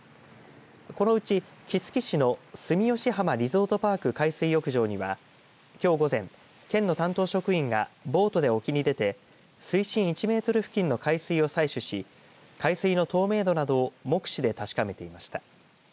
このうち、杵築市の住吉浜リゾートパーク海水浴場にはきょう午前、県の担当職員がボートで沖に出て水深１メートル付近の海水を採取し海水の透明度などを目視で確かめていました。